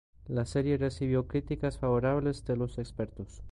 La serie recibió críticas favorables de los expertos.